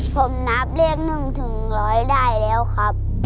ผมนับเลขหนึ่งถึงร้อยได้แล้วครับ